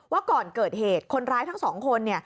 ว่าก่อนเกิดเหตุคนร้ายทั้งสองคน